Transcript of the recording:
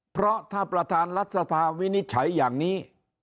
เพราะถ้าประธานรัฐสภาวินิจฉัยอย่างนี้